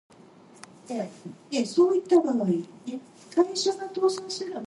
Not all numbered routes are maintained or owned by the state.